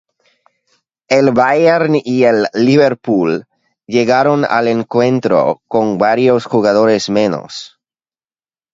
El Bayern y el Liverpool llegaron al encuentro con varios jugadores menos.